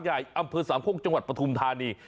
คนเชียงรากใหญ่อำเภอสามคงจังหวัดปฐุมธานี